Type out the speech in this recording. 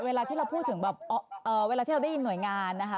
เวลาที่เราได้ยินหน่วยงานนะคะ